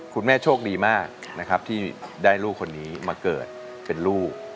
คุณแม่โชคดีมากนะครับที่ได้ลูกคนนี้มาเกิดเป็นลูก